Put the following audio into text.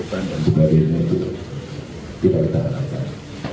sebagai itu tidak ditahan tahan